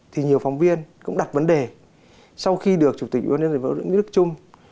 thì nhiều phóng viên cũng đặt vấn đề sau khi được chủ tịch ủy ban dân tính phố ủy ban dân tính phố đức trung